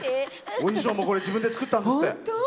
お衣装も自分で作ったんですって。